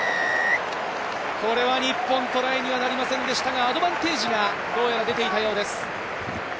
これは日本、トライにはなりませんでしたが、アドバンテージがどうやら出ていたようです。